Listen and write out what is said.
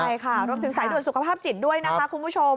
ใช่ค่ะรวมถึงสายด่วนสุขภาพจิตด้วยนะคะคุณผู้ชม